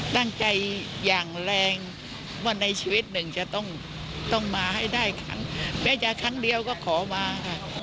ตั้งใจอย่างแรงว่าในชีวิตหนึ่งจะต้องมาให้ได้ค่ะแม้จะครั้งเดียวก็ขอมาค่ะ